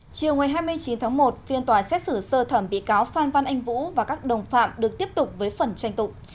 chiều ngày hai mươi chín tháng một phiên tòa xét xử sơ thẩm bị cáo phan văn anh vũ và các đồng phạm được tiếp tục với phần tranh tụng